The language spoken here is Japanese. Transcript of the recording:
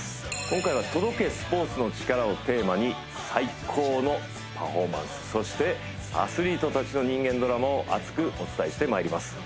今回は「届け、スポーツのチカラ。」をテーマに最高のパフォーマンスそしてアスリートたちの人間ドラマを熱くお伝えしてまいります